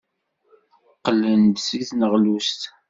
Qqlen-d seg tneɣlust.